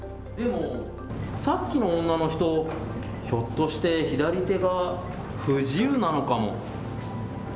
さっきの女の人、ひょっとして左手が不自由なのかも。